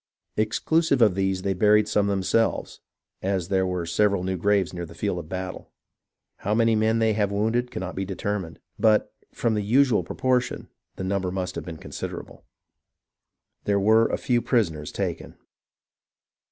Exclusive of these they buried some themselves, — as there were several new graves near the field of battle. How many men they have wounded cannot be determined ; but, from the usual pro portion, the number must have been considerable. There were a few prisoners taken.